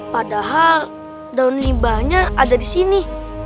padahal daun limbahnya ada di sini